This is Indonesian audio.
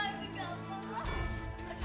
ya allah nand